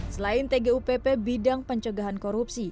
selain tgupp bidang pencegahan korupsi